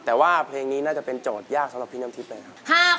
แต่ว่าเพลงนี้น่าจะเป็นโจทย์ยากสำหรับพี่น้ำทิพย์เลยครับ